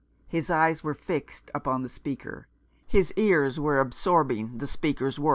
His eyes were fixed • upon the speaker. His ears were absorbing the speaker's words.